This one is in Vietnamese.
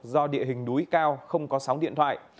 do địa hình núi cao không có sóng điện thoại